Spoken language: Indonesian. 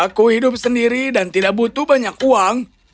aku hidup sendiri dan tidak butuh banyak uang